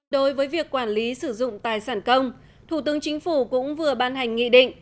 đối với việc quản lý sử dụng tài sản công thủ tướng chính phủ cũng vừa ban hành nghị định